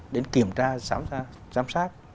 đến kiểm tra giám sát